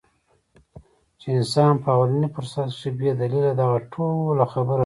چې انسان پۀ اولني فرصت کښې بې دليله دغه ټوله خبره رد کړي -